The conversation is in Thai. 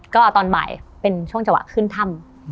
ก็ตอนบ่ายเป็นช่วงจังหวะขึ้นถ้ำ